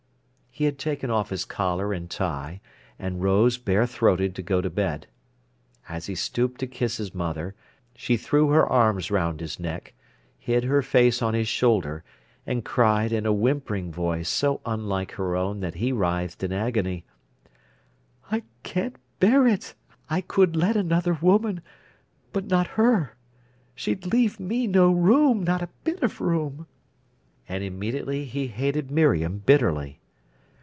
He had taken off his collar and tie, and rose, bare throated, to go to bed. As he stooped to kiss his mother, she threw her arms round his neck, hid her face on his shoulder, and cried, in a whimpering voice, so unlike her own that he writhed in agony: "I can't bear it. I could let another woman—but not her. She'd leave me no room, not a bit of room—" And immediately he hated Miriam bitterly.